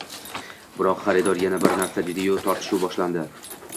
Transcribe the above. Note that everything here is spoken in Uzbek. Biroq xaridor yana bir narsa dedi-yu, tortishuv boshlandi